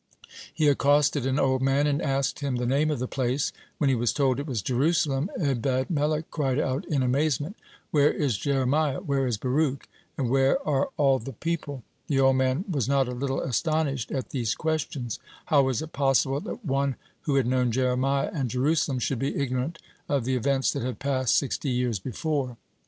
He accosted an old man, and asked him the name of the place. When he was told it was Jerusalem, Ebed melech cried out in amazement: "Where is Jeremiah, where is Baruch, and where are all the people?" The old man was not a little astonished at these questions. How was it possible that one who had known Jeremiah and Jerusalem should be ignorant of the events that had passed sixty years before?